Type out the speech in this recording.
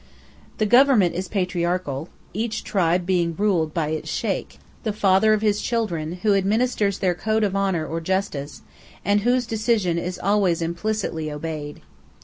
Their government is patriarchal, each tribe being ruled by its sheykh, the "father of his children," who administers their code of honour or justice, and whose decision is always implicitly obeyed.